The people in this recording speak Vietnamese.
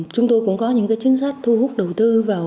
chúng tôi cũng có những chính sách thu hút đầu tư vào